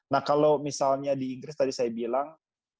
nah kalau misalnya di inggris tadi saya bilang